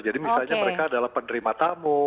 jadi misalnya mereka adalah penerima tamu